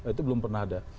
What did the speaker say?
itu belum pernah ada